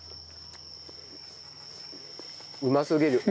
うますぎる。